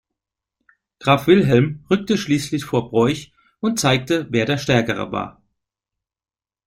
Graf Wilhelm rückte schließlich vor Broich und zeigte, wer der Stärkere war.